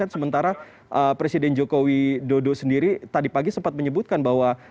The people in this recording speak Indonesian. sementara presiden joko widodo sendiri tadi pagi sempat menyebutkan bahwa